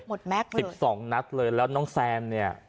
หมดแม็กซ์เลยสิบสองนัดเลยแล้วน้องแซมเนี่ย